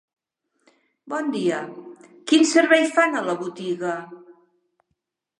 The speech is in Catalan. Bon dia, quin servei fan a la botiga?